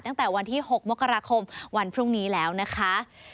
ตั้งแต่วันที่๖มกราคมวันพรุ่งนี้แล้วนะคะ